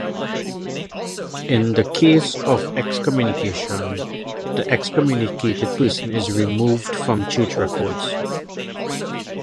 In the case of excommunication, the excommunicated person is removed from church records.